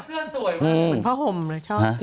เสื้อสวยมากเหมือนผ้าห่มเลยชอบ